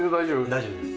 大丈夫です。